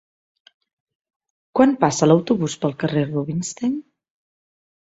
Quan passa l'autobús pel carrer Rubinstein?